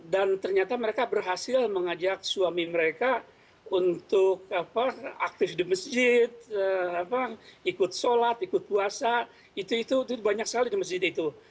dan ternyata mereka berhasil mengajak suami mereka untuk aktif di masjid ikut sholat ikut puasa itu itu banyak sekali di masjid itu